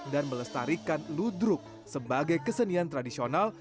dan melestarikan ludruk sebagai kesenian tradisional